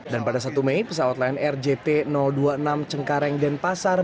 dan pada satu mei pesawat lion air jp dua puluh enam cengkareng dan pasar